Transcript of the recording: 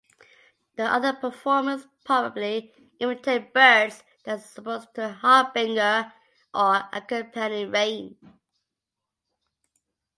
The other performers probably imitate birds that are supposed to harbinger or accompany rain.